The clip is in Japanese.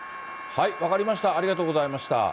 分かりました、ありがとうございました。